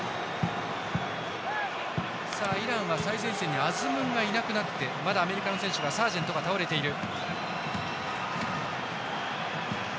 イランは最前線にアズムンがいなくなってまだアメリカの選手サージェントが倒れています。